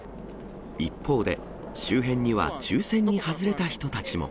一方で、周辺には抽せんに外れた人たちも。